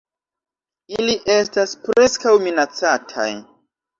Ili estas Preskaŭ Minacataj.